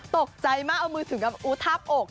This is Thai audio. ตกใจมากเอามือถึงอยู่ท้าปอก